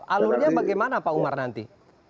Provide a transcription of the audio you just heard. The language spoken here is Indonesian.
alurnya bagaimana pak umar nanti